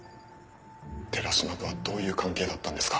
寺島とはどういう関係だったんですか？